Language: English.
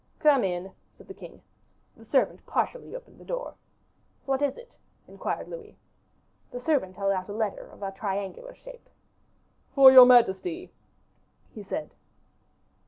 "Come in," said the king. The servant partially opened the door. "What is it?" inquired Louis. The servant held out a letter of a triangular shape. "For your majesty," he said.